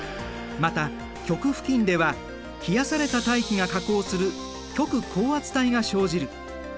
また極付近では冷やされた大気が下降する極高圧帯が生じる。